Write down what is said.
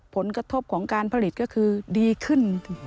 ผลกระทบของการผลิตก็คือดีขึ้น